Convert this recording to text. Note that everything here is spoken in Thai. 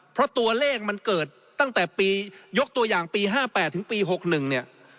เพราะตัวเลขมันเกิดตั้งแต่ปียกตัวอย่างปี๕๘ถึงปี๖๑เนี่ย